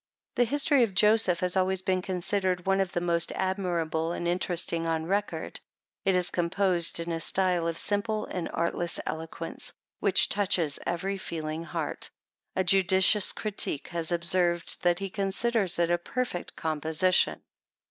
The history of Joseph has always been considered one of the most admirable and interesting on record. It is composed in a style of simple and artless eloquence, which touches every feeling heart. A judicious critic has observed, that he considers it a perfect composition.